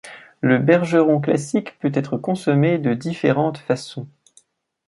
Le Bergeron Classique peut être consommé de différentes façons.